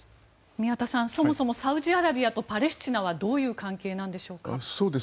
宮田さん、そもそもサウジアラビアとパレスチナはどういう関係なんでしょうか。